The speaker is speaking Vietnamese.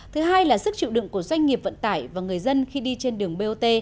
thứ hai là sức chịu đựng của doanh nghiệp vận tải và người dân khi đi trên đường bot